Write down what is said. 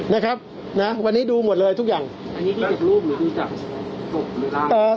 นะครับนะวันนี้ดูหมดเลยทุกอย่างอันนี้ดูจากรูปหรือดูจากศพหรือราม